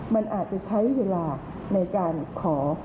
มันอาจจะใช้เวลาในการขอ